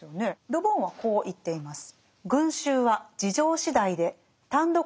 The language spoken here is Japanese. ル・ボンはこう言っています。